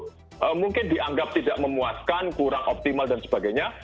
itu mungkin dianggap tidak memuaskan kurang optimal dan sebagainya